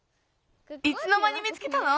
いつのまに見つけたの？